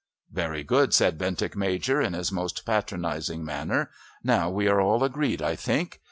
"Very good," said Bentinck Major in his most patronising manner. "Now we are all agreed, I think.